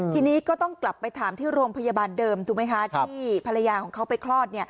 ทีนี้ก็ต้องกลับไปถามที่โรงพยาบาลเดิมถูกไหมคะที่ภรรยาของเขาไปคลอด